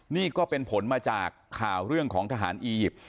นี่ก็เป็นผลมาจากข่าวเรื่องของทหารอียิปต์